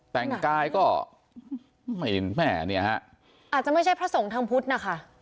แต่งกายก็ไม่แม่เนี่ยฮะอาจจะไม่ใช่พระสงฆ์ทางพุทธนะคะ